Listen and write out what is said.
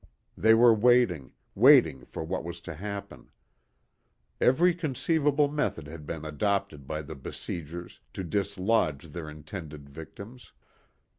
They were waiting, waiting for what was to happen. Every conceivable method had been adopted by the besiegers to dislodge their intended victims.